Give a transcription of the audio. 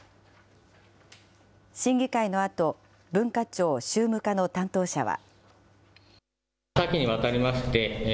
審議会のあと、文化庁宗務課の担当者は。